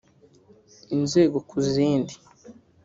inzego ku zindi